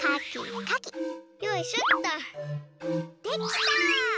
できた！